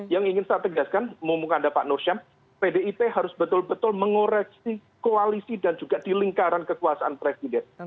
yang ingin saya tegaskan mumpungkanda pak nur syam pdip harus betul betul mengoreksi koalisi dan juga di lingkaran kekuasaan presiden